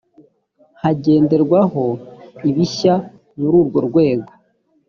hagenderwaho ibishya muri urwo rwego